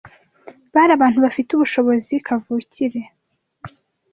Bari abantu bafite ubushobozi kavukire